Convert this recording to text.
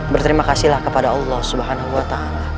berterima kasihlah kepada allah swt